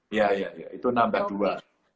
iya iya itu nambah dua